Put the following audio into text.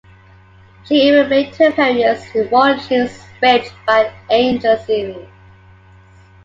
She even made two appearances in Wong Jing's "Raped by an Angel" series.